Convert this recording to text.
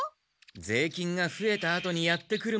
税金がふえたあとにやって来るもの。